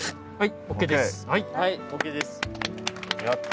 はい。